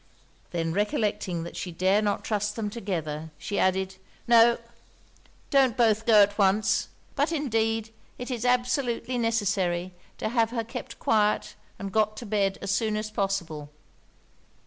Then recollecting that she dared not trust them together, she added 'No, don't both go at once. But indeed it is absolutely necessary to have her kept quite quiet and got to bed as soon as possible.'